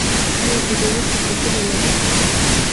آیا د بیمې شرکتونه لرو؟